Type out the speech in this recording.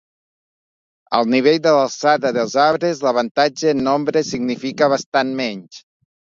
Al nivell de l'alçada dels arbres, l'avantatge en nombre significava bastant menys.